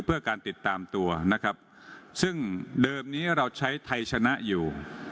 เพื่อการติดตามตัวนะครับซึ่งเดิมนี้เราใช้ไทยชนะอยู่